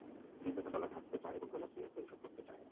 ঋণদাতা dollar ধার দিতে চায় এবং ডলার দিয়ে পরিশোধ করতে চায়।